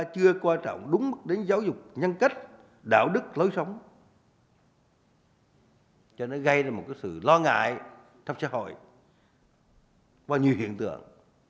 cho nên gây ra một sự lo ngại trong xã hội qua nhiều hiện tượng